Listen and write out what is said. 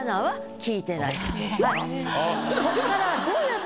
こっから。